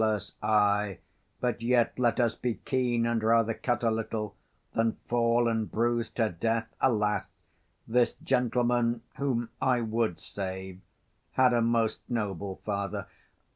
_ Ay, but yet Let us be keen, and rather cut a little, 5 Than fall, and bruise to death. Alas, this gentleman, Whom I would save, had a most noble father!